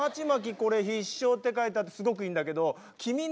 これ「必勝」って書いてあってすごくいいんだけど君ね